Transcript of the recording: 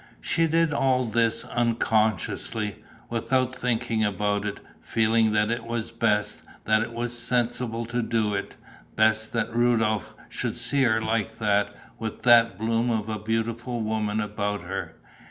She did all this unconsciously, without thinking about it, feeling that it was best, that it was sensible to do it, best that Rudolph should see her like that, with that bloom of a beautiful woman about her.